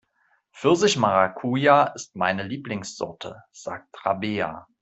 Pfirsich-Maracuja ist meine Lieblingssorte, sagt Rabea.